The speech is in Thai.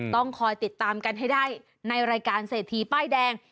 ต้องคอยติดตามกันให้ได้ในรายการเศรษฐีป้ายแดง